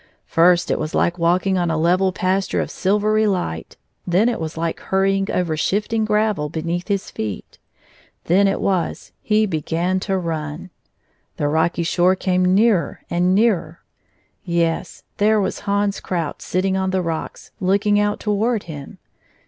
First it was like walking on a level pasture of silvery light, then it was like hurrying over shifting gravel beneath his feet. Then it was he began to run. The rocky shore came nearer and nearer. Yes ; there was Hans Krout sitting on the rocks, look ing out toward him.